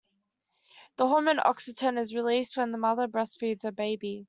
The hormone oxytocin is released when a mother breastfeeds her baby.